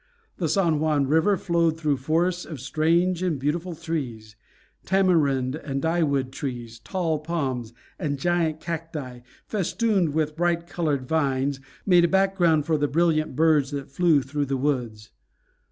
The San Juan River flowed through forests of strange and beautiful trees. Tamarind and dyewood trees, tall palms, and giant cacti, festooned with bright colored vines, made a background for the brilliant birds that flew through the woods.